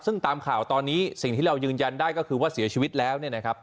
ซึ่งตามข่าวตอนนี้สิ่งที่เรายืนยันได้ก็คือว่าเสียชีวิตแล้วเนี่ยนะครับ